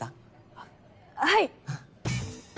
あっはい。